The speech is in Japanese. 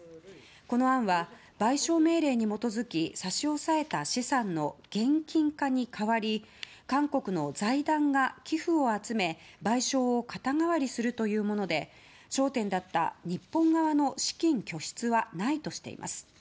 この案は、賠償命令に基づき差し押さえた資産の現金化に代わり韓国の財団が寄付を集め、賠償を肩代わりするものというもので焦点だった日本側の資金拠出はないとしています。